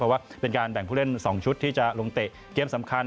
เพราะว่าเป็นการแบ่งผู้เล่น๒ชุดที่จะลงเตะเกมสำคัญ